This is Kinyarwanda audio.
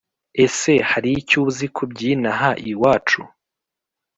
Ese haricyuzi kubyinaha iwacu?